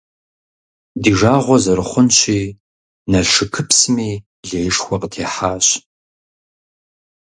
Ди жагъуэ зэрыхъунщи, Налшыкыпсми леишхуэ къытехьащ.